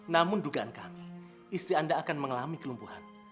namun dugaan kami istri anda akan mengalami kelumpuhan